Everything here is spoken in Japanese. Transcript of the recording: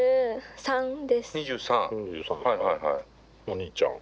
お兄ちゃん。